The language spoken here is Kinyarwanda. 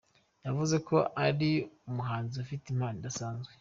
Yavuze ko yari umuhanzi ufite impano idasanzwe.